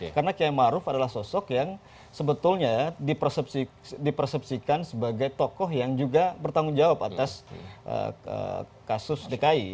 karena ma'ruf adalah sosok yang sebetulnya di persepsikan sebagai tokoh yang juga bertanggung jawab atas kasus dki